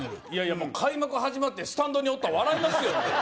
もう開幕始まってスタンドにおったら笑いますよ